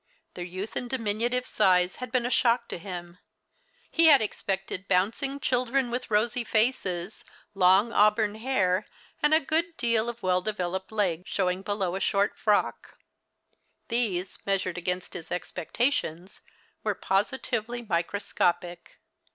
Their youth and diminutive size had been a shock to him. He had expected bouncing children, with rosy faces, long auburn hair, and a good deal of well developed leg showing below a short frock. These, measured against his expectations, were positively microscopic.